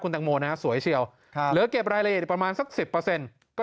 คุณตังโมนะสวยเฉียวเหลือเก็บรายละเอียดประมาณสัก๑๐ก็